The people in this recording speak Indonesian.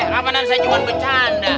ramanan sajuan bercanda